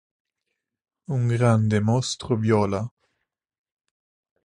Un grande mostro viola.